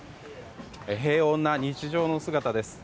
平穏な日常の姿です。